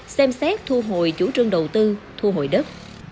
xem xét thu hồi chủ trương đầu tư thu hồi đất